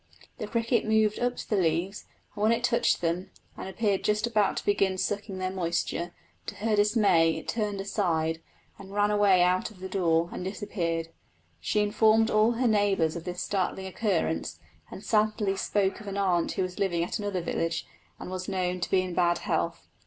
The cricket moved up to the leaves, and when it touched them and appeared just about to begin sucking their moisture, to her dismay it turned aside, ran away out at the door, and disappeared. She informed all her neighbours of this startling occurrence, and sadly spoke of an aunt who was living at another village and was known to be in bad health.